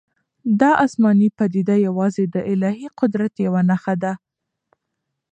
دا آسماني پدیده یوازې د الهي قدرت یوه لویه نښه ده.